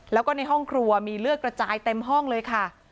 แล้วก็ในห้องครัวมีเลือดกระจายเต็มห้องเลยค่ะ